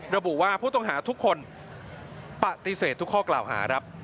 ระบุว่าผู้ต้องหาทุกคนปฏิเสธทุกข้อกล่าวหาครับ